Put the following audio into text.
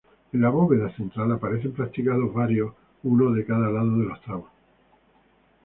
En la bóveda central, aparecen practicados varios, uno de cada lado de los tramos.